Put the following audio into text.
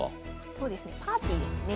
そうですねパーティーですね。